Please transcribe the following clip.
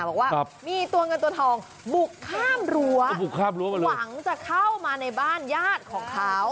บอกว่ามีตัวเงินตัวทองบุกข้ามรั้วบุกข้ามรั้วหวังจะเข้ามาในบ้านญาติของเขา